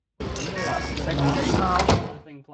食死貓